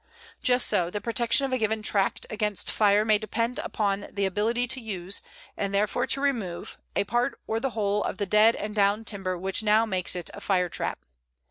Just so, the protection of a given tract against fire may depend upon the ability to use, and therefore to remove, a part or the whole of the dead and down timber which now makes it a fire trap.